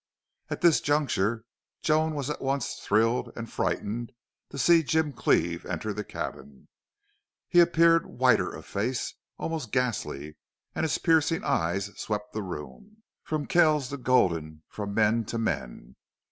At this juncture Joan was at once thrilled and frightened to see Jim Cleve enter the cabin. He appeared whiter of face, almost ghastly, and his piercing eyes swept the room, from Kells to Gulden, from men to men.